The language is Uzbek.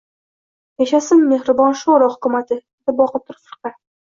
— Yashasin, mehribon sho‘ro hukumati! — dedi Botir firqa.